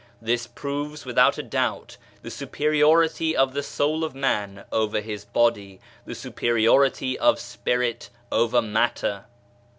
This proves without a doubt the superiority of the soul of man over his body, the superiority of Spirit over matter.